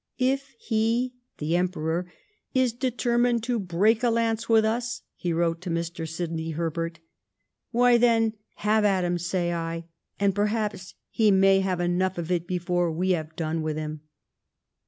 '' If he [the Emperor] is detennined to break a lance with us," he wrote to Mr. Sidney Herbert, " why then, have at him, say I, and perhaps he may have enough of it before we have done with him."